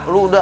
lu udah aus